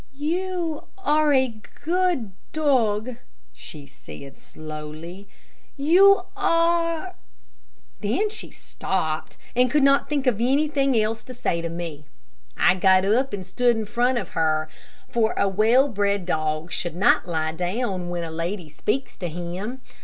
"You are a good dog," she said, slowly. "You are" then she stopped, and could not think of anything else to say to me. I got up and stood in front of her, for a well bred dog should not lie down when a lady speaks to him.